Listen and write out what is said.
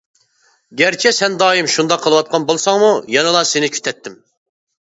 گەرچە سەن دائىم شۇنداق قىلىۋاتقان بولساڭمۇ، يەنىلا سېنى كۈتەتتىم.